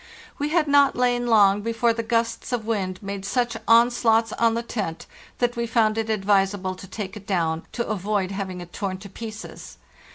We had not lain long before the gusts of wind made such onslaughts on the tent that we found it advisable to take it down, to avoid having it torn to pieces.